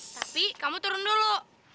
tapi kamu turun dulu